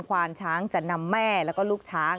ควานช้างจะนำแม่แล้วก็ลูกช้าง